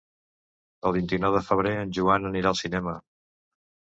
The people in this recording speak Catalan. El vint-i-nou de febrer en Joan anirà al cinema.